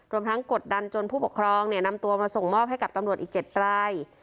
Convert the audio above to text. รวมทั้งกดดันจนผู้ปกครองนำตัวมาส่งมอบให้กับตำรวจอีก๗ราย